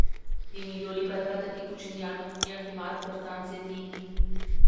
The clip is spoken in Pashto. د مېلو له برکته د کوچنیانو اعتماد پر ځان زیاتېږي.